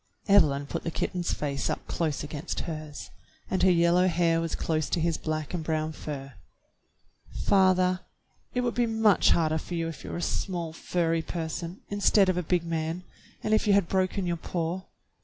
Evelyn put the kitten's face up close against hers, and her yellow hair was close to his black and brown fur. *' Father, it would be much harder for you if you were a small furry person, instead of a big man, and if you had broken your paw.